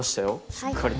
しっかりと。